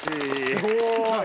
すごい！